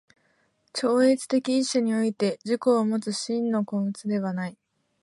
超越的一者において自己をもつ真の個物ではない。